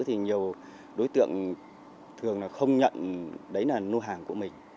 nhiều đối tượng thường không nhận đấy là lô hàng của mình